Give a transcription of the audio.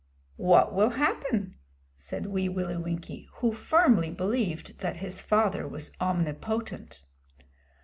'What will happen?' said Wee Willie Winkie, who firmly believed that his father was omnipotent.